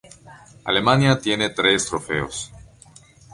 Alemania tiene tres trofeos.